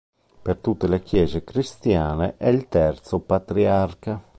Per tutte le Chiese Cristiane è il Terzo Patriarca.